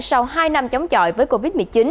sau hai năm chống chọi với covid một mươi chín